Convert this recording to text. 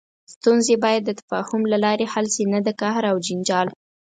ستونزې باید د تفاهم له لارې حل شي، نه د قهر او جنجال.